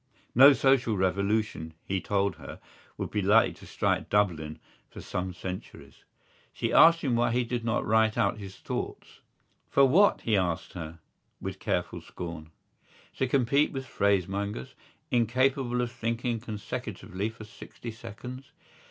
No social revolution, he told her, would be likely to strike Dublin for some centuries. She asked him why did he not write out his thoughts. For what, he asked her, with careful scorn. To compete with phrasemongers, incapable of thinking consecutively for sixty seconds?